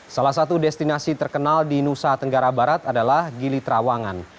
salah satu destinasi terkenal di nusa tenggara barat adalah gili trawangan